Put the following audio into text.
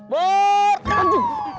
gak usah bang